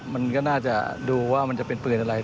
มันก็น่าจะดูว่ามันจะเป็นปืนอะไร